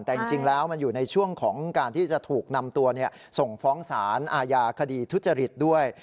แต่จริงแล้วมันอยู่ในช่วงของการที่จะถูกนำตัวส่งฟ้องสารอาญาคดีทุจริตด้วย